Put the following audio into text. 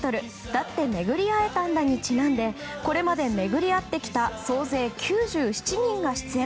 「だってめぐり逢えたんだ」にちなんでこれまで巡り合ってきた総勢９７人が出演。